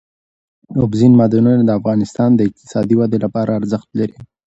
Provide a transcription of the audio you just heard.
اوبزین معدنونه د افغانستان د اقتصادي ودې لپاره ارزښت لري.